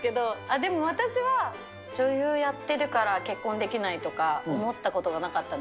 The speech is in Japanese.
でも、私は、女優やってるから結婚できないとか、思ったことがなかったので。